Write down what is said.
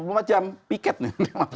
piket nih maksudnya